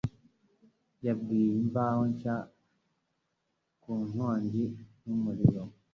yabwiye Imvaho Nshya ku inkongi y'umuriro